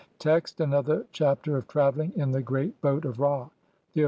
Text : (1) Another Chapter of travelling in the Great BOAT OF RA.